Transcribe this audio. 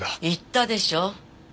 言ったでしょ。